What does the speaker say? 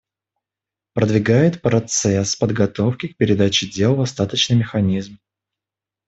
Продвигается процесс подготовки к передаче дел в Остаточный механизм.